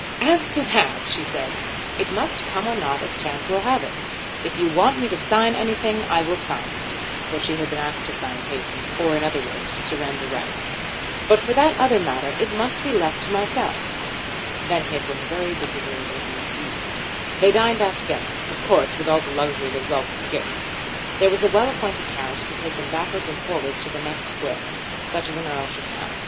"As to that," she said, "it must come or not as chance will have it. If you want me to sign anything I will sign it;" for she had been asked to sign papers, or in other words to surrender rights; "but for that other matter it must be left to myself." Then he had been very disagreeable indeed. They dined out together, of course with all the luxury that wealth can give. There was a well appointed carriage to take them backwards and forwards to the next square, such as an Earl should have.